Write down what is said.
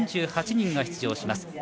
４８人が出場します